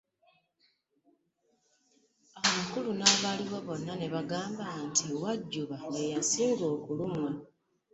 Abakulu n’abaliwo bonna ne bagamba nti Wajjuba ye yasinga okulumwa.